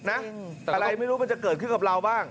อะไรไม่รู้มันจะเกิดขึ้นกับเราบ้าง